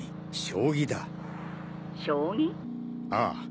将棋？ああ。